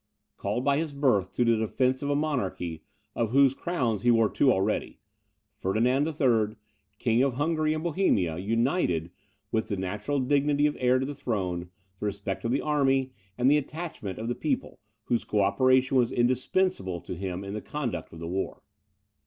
Called by his birth to the defence of a monarchy, of whose crowns he wore two already, Ferdinand III., King of Hungary and Bohemia, united, with the natural dignity of heir to the throne, the respect of the army, and the attachment of the people, whose co operation was indispensable to him in the conduct of the war.